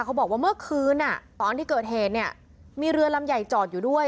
เขาบอกว่าเมื่อคืนตอนที่เกิดเหตุเนี่ยมีเรือลำใหญ่จอดอยู่ด้วย